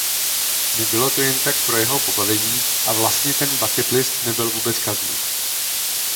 Nebylo to jen tak pro jeho pobavení a vlastně ten bucketlist nebyl vůbec Kazmův.